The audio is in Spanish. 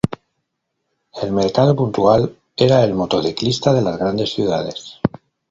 El mercado puntual era el motociclista de las grandes ciudades.